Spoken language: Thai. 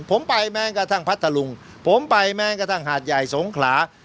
ผมไปแม้กระทั่งพัทธลุงผมไปแม้กระทั่งหาดใหญ่สงขลา